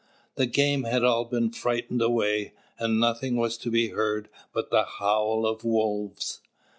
The game had all been frightened away, and nothing was to be heard but the howl of wolves.